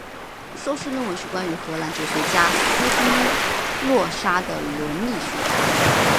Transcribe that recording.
硕士论文是关于荷兰哲学家斯宾诺莎的伦理学。